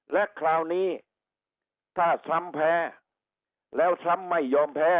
และคราวนี้ถ้าทลัมภแลแล้วทลัมภไม่ยอมแพ้